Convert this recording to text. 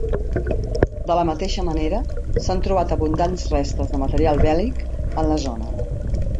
De la mateixa manera, s'han trobat abundants restes de material bèl·lic en la zona.